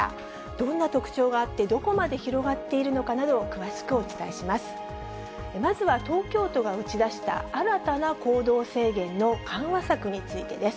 どんな特徴があって、どこまで広がっているのかなどを、詳しくお伝えします。